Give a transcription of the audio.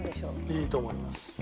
いいと思います。